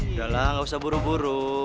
udah lah gak usah buru buru